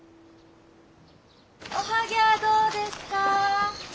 おはぎゃあどうですか？